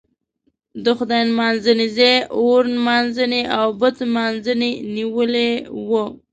د خدای نمانځنې ځای اور نمانځنې او بت نمانځنې نیولی و.